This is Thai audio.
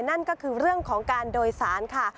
นั่นก็คือเรื่องของการโดยสารค่ะ